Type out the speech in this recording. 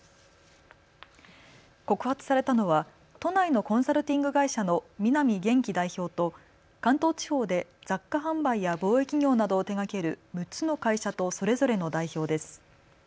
告発されたのは都内のコンサルティング会社の南元貴代表と関東地方で雑貨販売や貿易業などを手がける６つの会社とそれぞれの代表です。